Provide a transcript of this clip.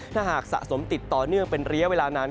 ถ้าหากสะสมติดต่อเนื่องเป็นระยะเวลานาน